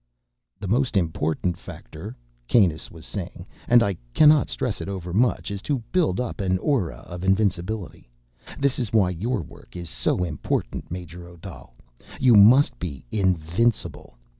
"The most important factor," Kanus was saying, "and I cannot stress it overmuch, is to build up an aura of invincibility. This is why your work is so important, Major Odal. You must be invincible!